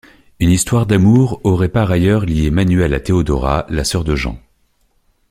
Une histoire d'amour aurait par ailleurs liée Manuel à Théodora, la soeur de Jean.